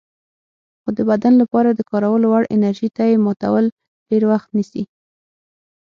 خو د بدن لپاره د کارولو وړ انرژي ته یې ماتول ډېر وخت نیسي.